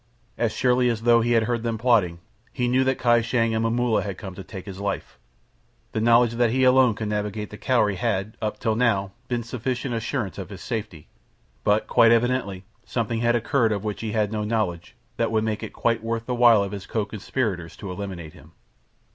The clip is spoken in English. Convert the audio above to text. As surely as though he had heard them plotting, he knew that Kai Shang and Momulla had come to take his life. The knowledge that he alone could navigate the Cowrie had, up to now, been sufficient assurance of his safety; but quite evidently something had occurred of which he had no knowledge that would make it quite worth the while of his co conspirators to eliminate him.